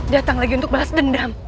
datang lagi untuk balas dendam